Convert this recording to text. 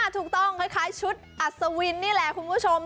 ถูกต้องคล้ายชุดอัศวินนี่แหละคุณผู้ชม